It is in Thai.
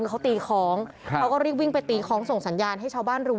คือเขาตีคล้องเขาก็รีบวิ่งไปตีคล้องส่งสัญญาณให้ชาวบ้านรู้